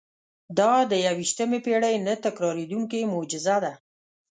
دا د یوویشتمې پېړۍ نه تکرارېدونکې معجزه ده.